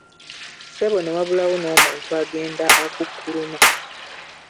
Ssebo ne wabulawo n'omuntu agenda akukuluma.